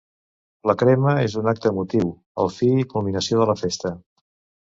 La crema és un acte emotiu, el fi i culminació de la festa.